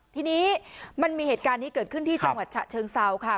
ทีนี้มันมีเหตุการณ์นี้เกิดขึ้นที่จังหวัดฉะเชิงเซาค่ะ